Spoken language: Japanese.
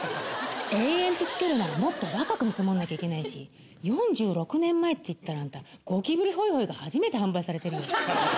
永遠ってつけるならもっと若く見積もんなきゃいけないし４６年前って言ったらアンタごきぶりホイホイが初めて販売されてるよ。